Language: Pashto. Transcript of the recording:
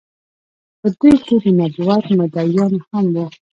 په دوی کې د نبوت مدعيانو هم وو